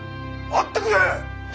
待ってくれ！